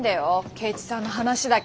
圭一さんの話だけ。